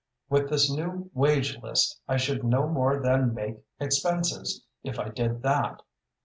With this new wage list I should no more than make expenses, if I did that.